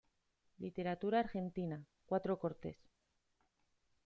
Literatura argentina: cuatro cortes".